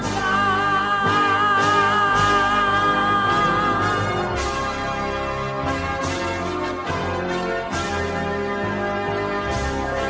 kalaupun banyak negeri ku jalani